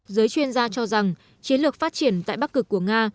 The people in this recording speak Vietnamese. giới chuyên gia cho rằng chiến lược phát triển tại bắc cực của nga